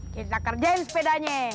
kita kerjain sepedanya